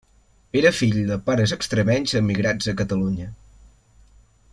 Era fill de pares extremenys emigrats a Catalunya.